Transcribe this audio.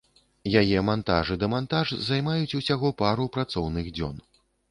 Яе мантаж і дэмантаж займаюць усяго пару працоўных дзён.